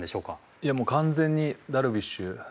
いやもう完全にダルビッシュ。